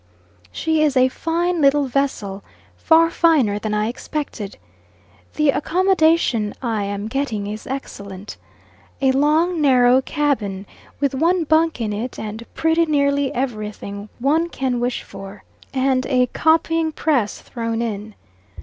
She is a fine little vessel; far finer than I expected. The accommodation I am getting is excellent. A long, narrow cabin, with one bunk in it and pretty nearly everything one can wish for, and a copying press thrown in.